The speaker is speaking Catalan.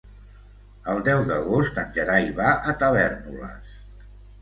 El deu d'agost en Gerai va a Tavèrnoles.